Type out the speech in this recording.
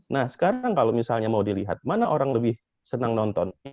nah sekarang kalau misalnya mau dilihat mana orang lebih senang nonton